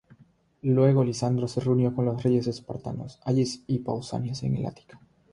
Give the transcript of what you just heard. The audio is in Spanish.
Luego Lisandro, se reunió con los reyes espartanos, Agis y Pausanias, en el Ática.